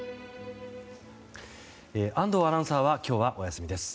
安藤アナウンサーは今日はお休みです。